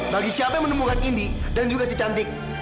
bagi siapa yang menemukan ini dan juga si cantik